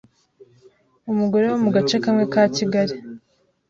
Umugore wo mu gace kamwe ka Kigali